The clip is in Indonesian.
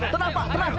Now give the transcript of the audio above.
tenang pak tenang